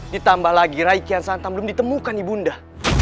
ditambah lagi raimu rarasanta belum ditemukan ibu nda